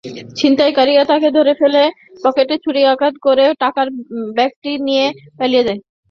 ছিনতাইকারীরা তাঁকে ধরে ফেলে পেটে ছুরিকাঘাত করে টাকার ব্যাগটি নিয়ে পালিয়ে যায়।